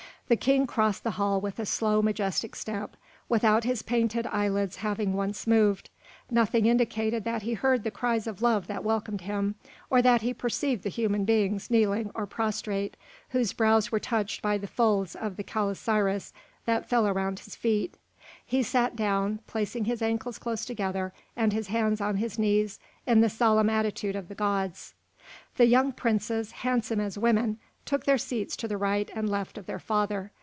The King crossed the hall with a slow, majestic step, without his painted eyelids having once moved; nothing indicated that he heard the cries of love that welcomed him, or that he perceived the human beings kneeling or prostrate, whose brows were touched by the folds of the calasiris that fell around his feet. He sat down, placing his ankles close together and his hands on his knees in the solemn attitude of the gods. The young princes, handsome as women, took their seats to the right and left of their father.